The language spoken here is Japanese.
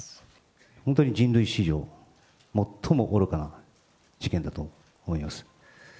本当に人類史上最も愚かな事件だと思います。